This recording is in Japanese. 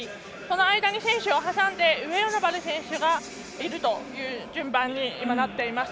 間に選手を挟んで上与那原選手がいるという順番になっています。